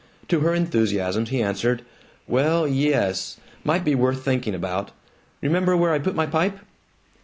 To her enthusiasms he answered, "Well, ye es, might be worth thinking about. Remember where I put my pipe?"